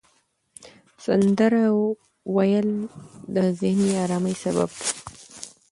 سندره ویل د ذهني آرامۍ سبب دی.